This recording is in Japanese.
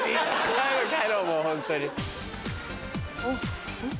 帰ろう帰ろうもうホントに。